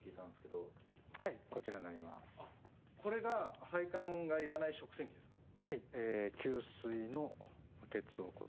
これが配管がいらない食洗機ですか？